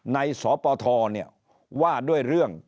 ในสปทว่าด้วยเรื่อง